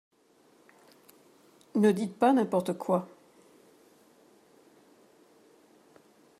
Ne dites pas n’importe quoi